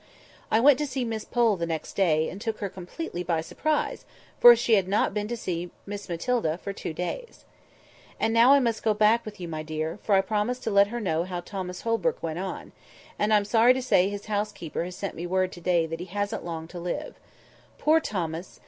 I went to see Miss Pole the next day, and took her completely by surprise, for she had not been to see Miss Matilda for two days. "And now I must go back with you, my dear, for I promised to let her know how Thomas Holbrook went on; and, I'm sorry to say, his housekeeper has sent me word to day that he hasn't long to live. Poor Thomas!